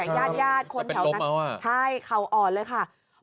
ย่านคนแถวนั้นใช่เขาอ่อนเลยค่ะเป็นรบเหรอ